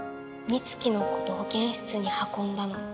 美月のこと保健室に運んだの